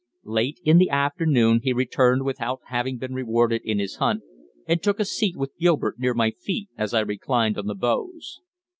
Late in the afternoon he returned without having been rewarded in his hunt, and took a seat with Gilbert near my feet as I reclined on the boughs.